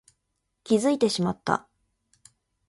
気づいてしまった